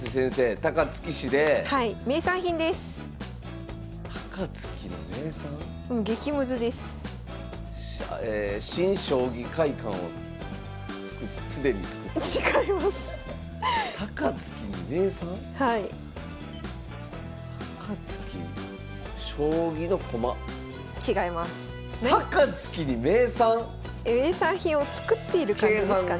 高槻に名産⁉名産品を作っている感じですかね。